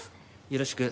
よろしく。